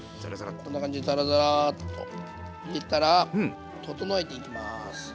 こんな感じでざらざらっと入れたら整えていきます。